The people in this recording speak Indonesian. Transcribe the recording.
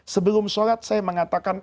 sebelum sholat saya mengatakan